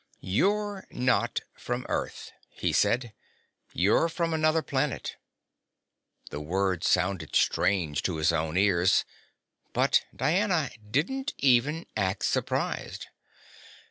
"You're not from Earth," he said. "You're from another planet." The words sounded strange in his own ears but Diana didn't even act surprised.